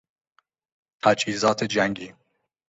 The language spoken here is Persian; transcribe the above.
تجهیزات جنگی